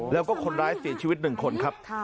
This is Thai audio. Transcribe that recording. แล้วก็คนร้ายเสียชีวิต๑คนครับ